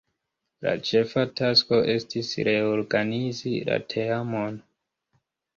La ĉefa tasko estis reorganizi la teamon.